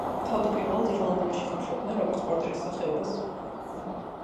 თავდაპირველად ირლანდიაში ხარშავდნენ როგორც პორტერის სახეობას.